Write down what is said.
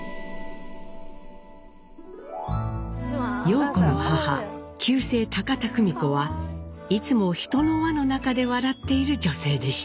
陽子の母旧姓田久美子はいつも人の輪の中で笑っている女性でした。